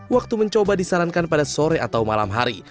waktu mencoba disarankan pada sore atau malam hari